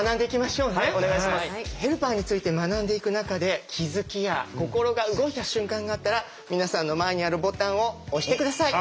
ヘルパーについて学んでいく中で気付きや心が動いた瞬間があったら皆さんの前にあるボタンを押して下さい。